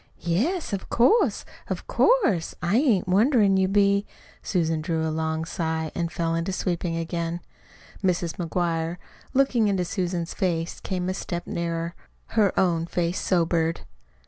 "Yes, of course, of course, I ain't wonderin' you be!" Susan drew a long sigh and fell to sweeping again. Mrs. McGuire, looking into Susan's face, came a step nearer. Her own face sobered.